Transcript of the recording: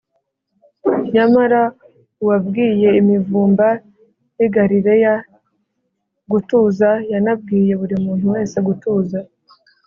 nyamara, uwabwiye imivumba y’i galileya gutuza yanabwiye buri muntu wese gutuza